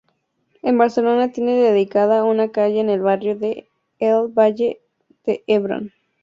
En Barcelona tiene dedicada una calle en el barrio de El Valle de Hebrón.